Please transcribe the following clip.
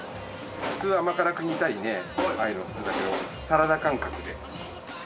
普通は甘辛く煮たりね和えるのが普通だけどサラダ感覚で。